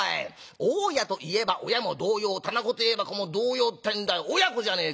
大家といえば親も同様店子といえば子も同様ってんで親子じゃねえか。